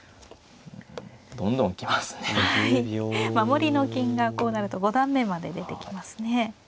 守りの金がこうなると五段目まで出てきますね。